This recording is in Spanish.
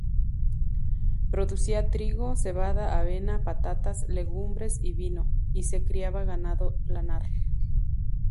Producía trigo, cebada, avena, patatas, legumbres y vino, y se criaba ganado lanar.